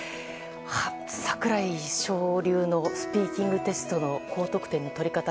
櫻井翔流のスピーキングテストの高得点のとりかた